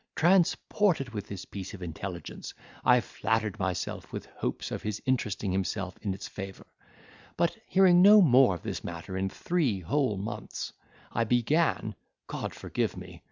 Transported with this piece of intelligence, I flattered myself with the hopes of his interesting himself in its favour, but, hearing no more of this matter in three whole months, I began (God forgive me!)